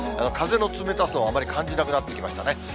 風の冷たさはあまり感じなくなってきましたね。